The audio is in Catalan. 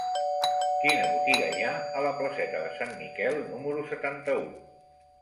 Quina botiga hi ha a la placeta de Sant Miquel número setanta-u?